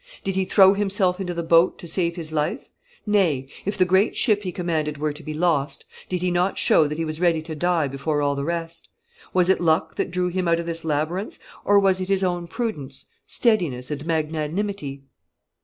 Did he throw himself into the boat to save his life? Nay, if the great ship he commanded were to be lost, did he not show that he was ready to die before all the rest? Was it luck that drew him out of this labyrinth, or was it his own prudence, steadiness, and magnanimity?